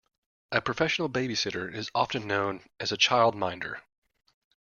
A professional babysitter is often known as a childminder